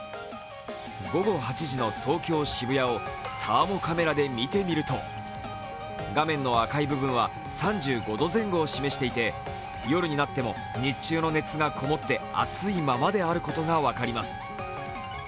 午後８時の東京・渋谷をサーモカメラで見てみると画面の赤い部分は３５度前後を示していて夜になっても日中の熱がこもって暑いままであることが分かります。